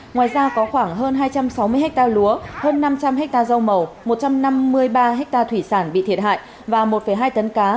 ngoài ra có khoảng hơn hai trăm sáu mươi ha lúa hơn năm trăm linh hectare rau màu một trăm năm mươi ba ha thủy sản bị thiệt hại và một hai tấn cá